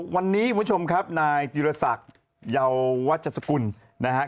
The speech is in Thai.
วันนี้คุณผู้ชมครับนายจิรษักเยาวัชสกุลนะครับ